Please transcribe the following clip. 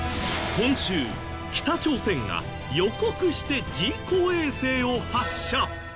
今週北朝鮮が予告して人工衛星を発射。